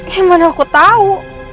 yang mana aku tahu